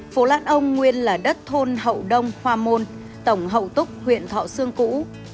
phố lãn ông nguyên là đất thôn hậu đông hoa môn tổng hậu túc huyện thọ sương cũ